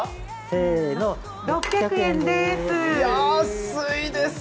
せーの、６００円です。